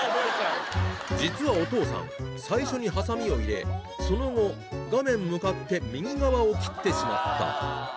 実はお父さん最初にはさみを入れその後画面向かって右側を切ってしまった